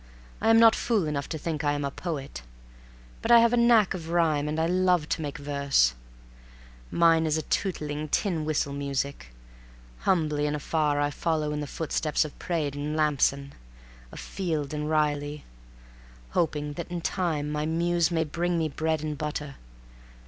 I am not fool enough to think I am a poet, but I have a knack of rhyme and I love to make verses. Mine is a tootling, tin whistle music. Humbly and afar I follow in the footsteps of Praed and Lampson, of Field and Riley, hoping that in time my Muse may bring me bread and butter.